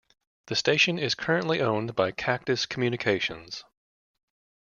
The station is currently owned by Cactus Communications.